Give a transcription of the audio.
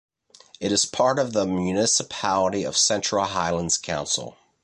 It is part of the municipality of Central Highlands Council.